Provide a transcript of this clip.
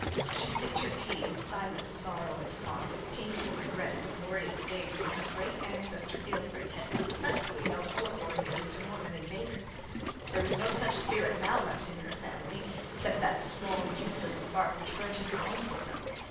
She sipped her tea in silent sorrow, and thought with painful regret of the glorious days when her great ancestor Ealfried had successfully held Ullathorne against a Norman invader. There was no such spirit now left in her family except that small useless spark which burnt in her own bosom.